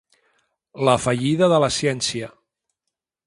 La fallida de la ciència.